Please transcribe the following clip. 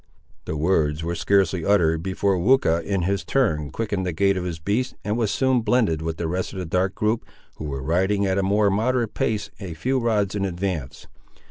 The words were scarcely uttered, before Weucha, in his turn, quickened the gait of his beast, and was soon blended with the rest of the dark group, who were riding, at a more moderate pace, a few rods in advance.